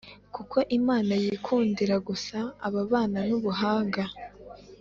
kuko Imana yikundira gusa ababana n’Ubuhanga.